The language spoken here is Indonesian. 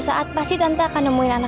saya gak tau anak kamu dimana